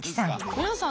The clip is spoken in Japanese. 皆さん